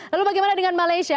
lalu bagaimana dengan malaysia